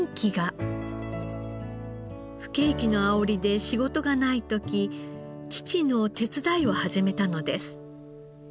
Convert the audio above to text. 不景気のあおりで仕事がない時父の手伝いを始めたのです。